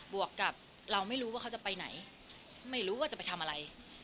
วกกับเราไม่รู้ว่าเขาจะไปไหนไม่รู้ว่าจะไปทำอะไร